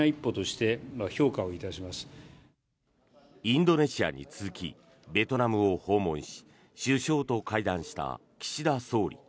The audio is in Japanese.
インドネシアに続きベトナムを訪問し首相と会談した岸田総理。